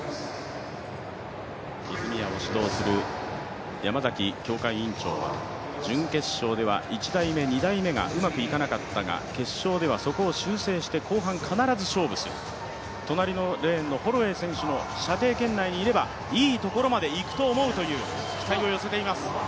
泉谷を指導する山崎協会委員長は準決勝では１台目、２台目がうまくいかなかったが決勝ではそこを修正して後半必ず勝負する、隣のレーンのホロウェイ選手の射程圏内にいればいいところに行くと思うと期待を寄せています。